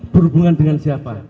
berhubungan dengan siapa